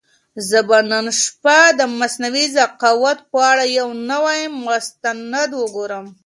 زه به نن شپه د مصنوعي ذکاوت په اړه یو نوی مستند وګورم.